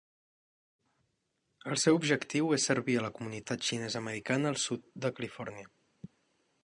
El seu objectiu és servir a la comunitat xinesa-americana del Sud de Califòrnia.